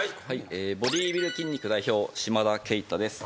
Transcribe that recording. ボディビル筋肉代表嶋田慶太です。